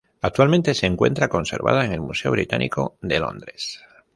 Actualmente se encuentra conservada en el Museo Británico de Londres.